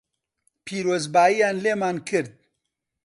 پیرۆزبایییان لێمان کرد